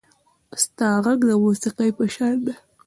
• ستا غږ د موسیقۍ په شان دی.